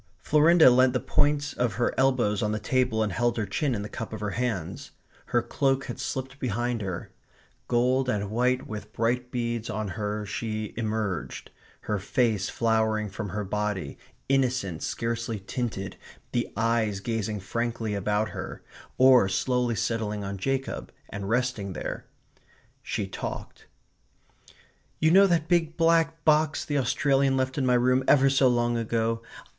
Florinda leant the points of her elbows on the table and held her chin in the cup of her hands. Her cloak had slipped behind her. Gold and white with bright beads on her she emerged, her face flowering from her body, innocent, scarcely tinted, the eyes gazing frankly about her, or slowly settling on Jacob and resting there. She talked: "You know that big black box the Australian left in my room ever so long ago?